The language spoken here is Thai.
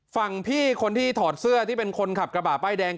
ฝั่งพี่คนที่ถอดเสื้อที่เป็นคนขับกระบะป้ายแดง